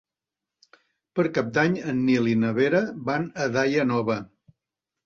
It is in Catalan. Per Cap d'Any en Nil i na Vera van a Daia Nova.